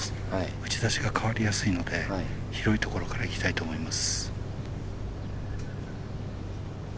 打ち出しが変わりやすいので広いところからいきたいと思います。